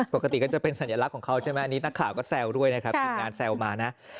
ปกติก็จะเป็นสัญลักษณ์ของเขาใช่ไหมอันนี้นักข่าวก็แซวด้วยนะครับทีมงานแซวมานะ